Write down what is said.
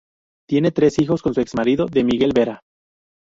Tiene tres hijos con su ex marido de Miguel Vera.